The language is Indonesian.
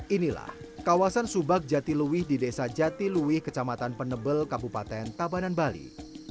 inilah kawasan subak jatiluwih di desa jatiluwih kecamatan penebel kabupaten tabanan bali